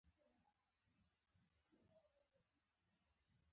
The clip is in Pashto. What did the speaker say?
فصلونو وده اغیزمنه کړي زراعتی وچکالی ورته ویل کیږي.